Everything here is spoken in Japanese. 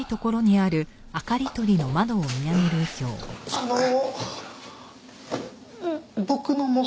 あの僕のも。